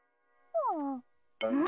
うん？